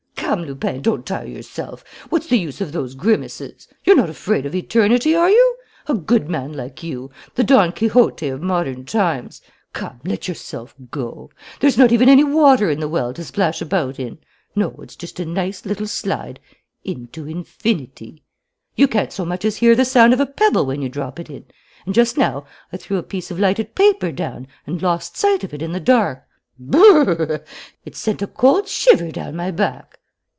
"Come, Lupin, don't tire yourself! What's the use of those grimaces? You're not afraid of eternity, are you? A good man like you, the Don Quixote of modern times! Come, let yourself go. There's not even any water in the well to splash about in. No, it's just a nice little slide into infinity. You can't so much as hear the sound of a pebble when you drop it in; and just now I threw a piece of lighted paper down and lost sight of it in the dark. Brrrr! It sent a cold shiver down my back!